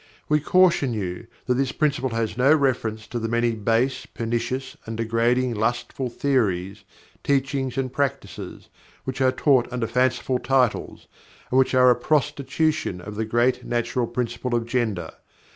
We caution you that this Principle has no reference to the many base, pernicious and degrading lustful theories, teachings and practices, which are taught under fanciful titles, and which are a prostitution of the great natural principle of Gender.